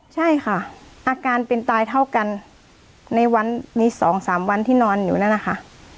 ใช่ค่ะอาการเป็นตายเท่ากันในวันนี้๒๓วันที่นอนอยู่นั่นนะคะ